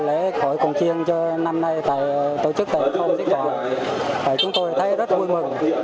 lễ khởi cồng chiêng cho năm nay tại tổ chức tổng thống xí thoại chúng tôi thấy rất vui mừng